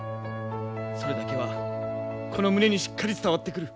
それだけはこの胸にしっかり伝わってくる。